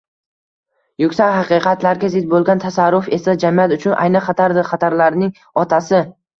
Yuksak haqiqatlarga zid bo‘lgan tasarruf esa jamiyat uchun ayni xatardir – xatarlarning otasi.